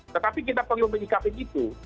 tetapi kita perlu menyikapi itu